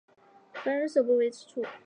扶南的首都位于此处。